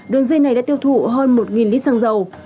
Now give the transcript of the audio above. đường dây này đã tiêu thụ hơn một lít xăng dầu